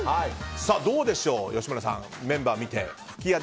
どうでしょう、吉村さんメンバーを見て。